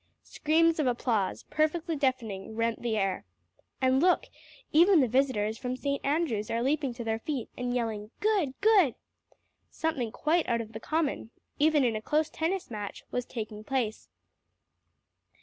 Screams of applause, perfectly deafening, rent the air. And look! even the visitors from St. Andrew's are leaping to their feet, and yelling, "Good good." Something quite out of the common, even in a close tennis match, was taking place.